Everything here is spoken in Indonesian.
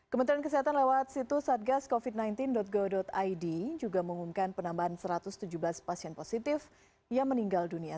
kementerian kesehatan lewat situs satgascovid sembilan belas go id juga mengumumkan penambahan satu ratus tujuh belas pasien positif yang meninggal dunia